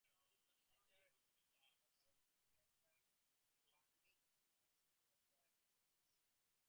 He later enrolled at the Berlin University of the Arts.